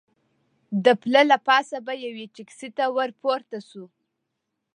د پله له پاسه به یوې ټکسي ته ور پورته شو.